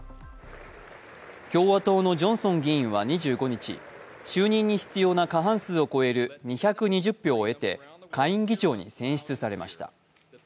共和党のジョンソン議員は２５日、就任に必要な過半数を超える２２０票を得て下院議長に選出されました。